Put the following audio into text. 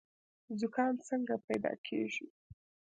زکام څنګه پیدا کیږي؟